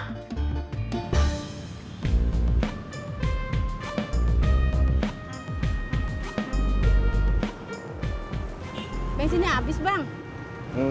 tiba karena metropolitanu basa banget